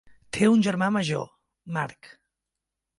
Té un germà major, Mark.